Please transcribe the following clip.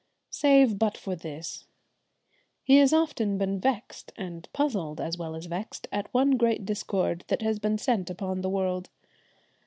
Save but for this. He has often been vexed, and puzzled as well as vexed, at one great discord that has been sent upon the world.